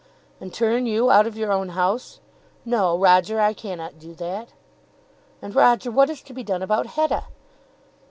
"And turn you out of your own house? No, Roger. I cannot do that. And, Roger; what is to be done about Hetta?"